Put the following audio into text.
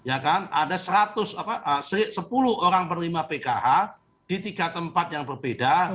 ada sepuluh orang penerima pkh di tiga tempat yang berbeda